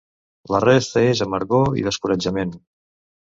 La resta és amargor i descoratjament.